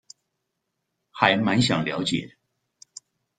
還滿想了解